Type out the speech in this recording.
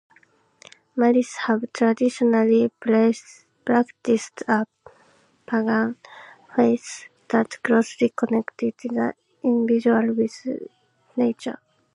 Maris have traditionally practiced a pagan faith that closely connected the individual with nature.